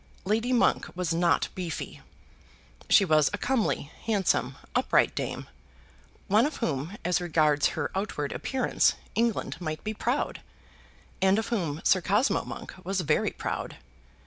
Lady Monk was not beefy. She was a comely, handsome, upright, dame, one of whom, as regards her outward appearance, England might be proud, and of whom Sir Cosmo Monk was very proud.